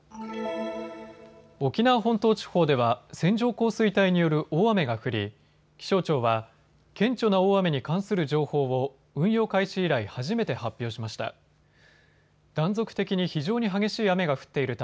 沖縄本島地方では線状降水帯による大雨が降り気象庁は顕著な大雨に関する情報を運用開始以来、初めて発表しました。